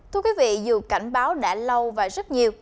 thưa quý vị dù cảnh báo đã lâu và rất nhiều